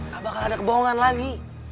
gak bakal ada kebohongan lagi